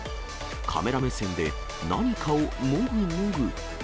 カメラ目線で、何かをもぐもぐ。